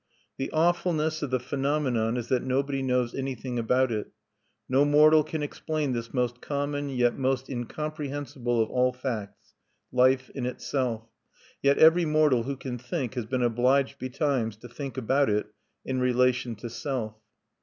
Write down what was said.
The awfulness of the phenomenon is that nobody knows anything about it. No mortal can explain this most common, yet most incomprehensible of all facts, life in itself; yet every mortal who can think has been obliged betimes, to think about it in relation to self.